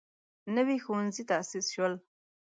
نوي ښوونځي تاسیس شول.